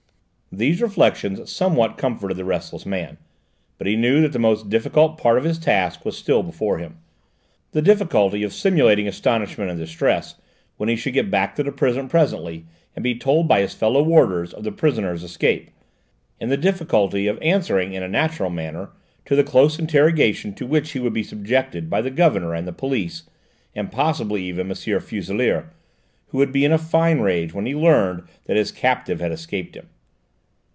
These reflections somewhat comforted the restless man, but he knew that the most difficult part of his task was still before him: the difficulty of simulating astonishment and distress when he should get back to the prison presently and be told by his fellow warders of the prisoner's escape, and the difficulty of answering in a natural manner to the close interrogation to which he would be subjected by the governor and the police, and possibly even M. Fuselier, who would be in a fine rage when he learned that his captive had escaped him.